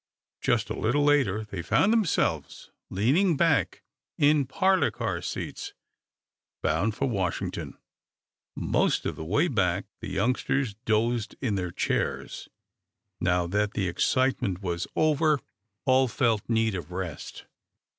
Just a little later they found themselves leaning back in parlor car seats, bound for Washington. Most of the way back the youngsters dozed in their chairs. Now, that the excitement was over, all felt need of rest.